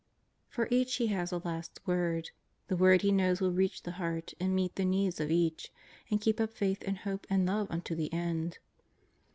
For each He has a last word, the word He knows will reach the heart and meet the needs of each, and keep up faith and hope and love unto the end.